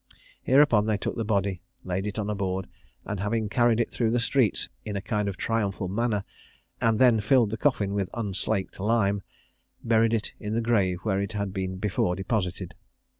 Hereupon they took the body, laid it on a board, and, having carried it through the streets in a kind of triumphal manner, and then filled the coffin with unslacked lime, buried it in the grave where it had been before deposited.